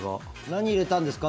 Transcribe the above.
何入れたんですか？